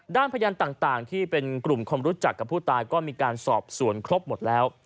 พยานต่างที่เป็นกลุ่มคนรู้จักกับผู้ตายก็มีการสอบสวนครบหมดแล้ว